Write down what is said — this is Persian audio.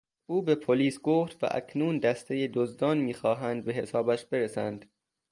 او به پلیس گفت و اکنون دستهی دزدان میخواهند به حسابش برسند.